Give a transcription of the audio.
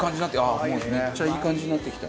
めっちゃいい感じになってきた。